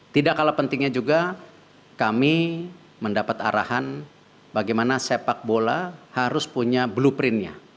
tidak kalah pentingnya juga kami mendapat arahan bagaimana sepak bola harus punya blueprintnya